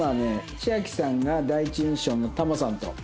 千瑛さんが第一印象のタモさんと。